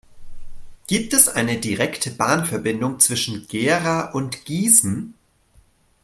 Gibt es eine direkte Bahnverbindung zwischen Gera und Gießen?